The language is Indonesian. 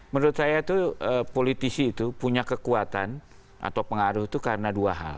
menurut saya itu politisi itu punya kekuatan atau pengaruh itu karena dua hal